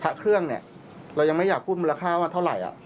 พระเครื่องเนี่ยเรายังไม่อยากพูดมูลค่าว่าเท่าไหร่